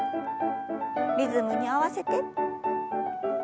リズムに合わせて。